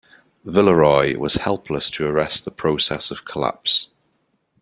Villeroi was helpless to arrest the process of collapse.